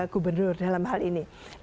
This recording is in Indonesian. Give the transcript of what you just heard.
gubernur dalam hal ini